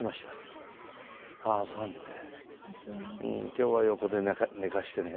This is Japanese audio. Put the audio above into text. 「今日は横で寝かしてね」